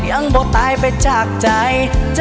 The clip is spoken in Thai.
บ่ตายไปจากใจ